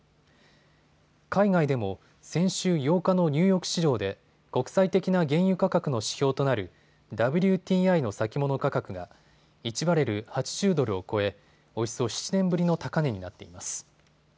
海外でも先週８日のニューヨーク市場で国際的な原油価格の指標となるＷＴＩの先物価格が１バレル・８０ドルを超えおよそ７年ぶりの高値になっています。